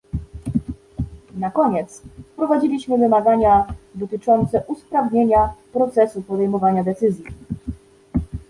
Na koniec, wprowadziliśmy wymagania dotyczące usprawnienia procesu podejmowania decyzji